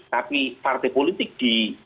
tapi partai politik di